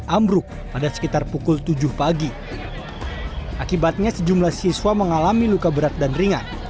ambruk pada sekitar pukul tujuh pagi akibatnya sejumlah siswa mengalami luka berat dan ringan